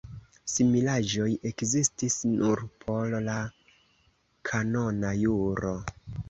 Similaĵoj ekzistis nur por la kanona juro.